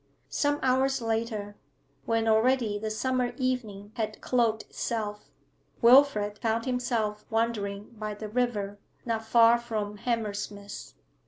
Some hours later, when already the summer evening had cloaked itself, Wilfrid found himself wandering by the river, not far from Hammersmith.